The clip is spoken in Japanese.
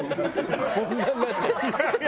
こんなんなっちゃうよ。